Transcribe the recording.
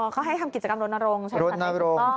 เขาให้ทำกิจกรรมรดนโรงใช่มั้ยครับคุณต้อง